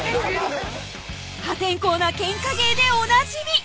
破天荒なケンカ芸でおなじみ